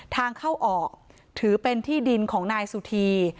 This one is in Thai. ทางเข้าออกถือเป็นที่ดินของนายสุธี